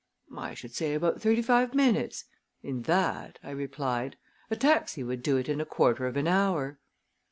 "I should say about thirty five minutes in that!" I replied. "A taxi would do it in a quarter of an hour."